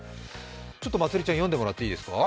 ちょっとまつりちゃん、読んでもらっていいですか？